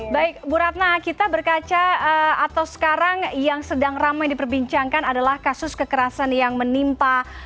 baik bu ratna kita berkaca atau sekarang yang sedang ramai diperbincangkan adalah kasus kekerasan yang menimpa